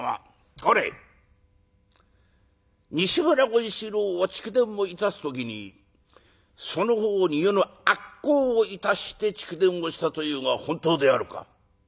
「これ西村権四郎が逐電をいたす時にその方に余の悪口をいたして逐電をしたというが本当であるか？」。